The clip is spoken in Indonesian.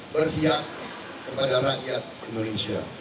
berfiak kepada rakyat indonesia